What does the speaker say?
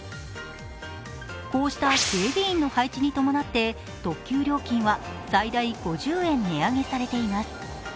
こうした警備員の配置に伴って特急料金は最大５０円値上げされています。